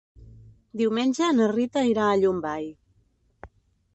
Diumenge na Rita irà a Llombai.